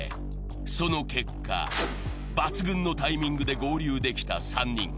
その結果、抜群のタイミングで交流できた３人。